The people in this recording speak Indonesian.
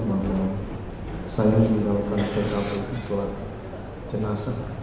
bahwa saya meninggalkan perjalanan istilah jenazah